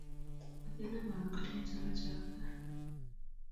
matinaman ngoriet ameche awo gaa